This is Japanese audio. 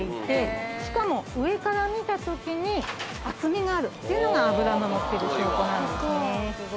しかも上から見たときに厚みがあるっていうのが脂の乗ってる証拠なんですね。